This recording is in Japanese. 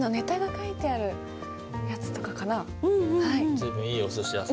随分いいおすし屋さん。